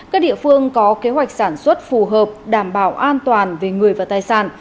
các địa phương có kế hoạch sản xuất phù hợp đảm bảo an toàn về người và tài sản